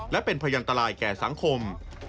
และเป็นพยันตรายแก่สังคม